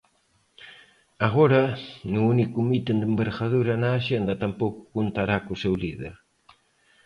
Agora, no único mitin de envergadura na axenda tampouco contará co seu líder.